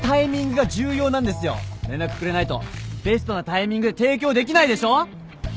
連絡くれないとベストなタイミングで提供できないでしょ？